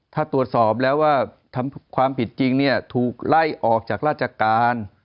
ถ้าตรวจสอบแล้วว่าทำความผิดจริงเนี่ยถูกไล่ออกจากราชการ